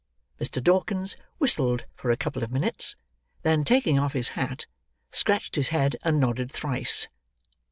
Mr. Dawkins whistled for a couple of minutes; then, taking off his hat, scratched his head, and nodded thrice.